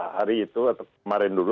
hari itu atau kemarin dulu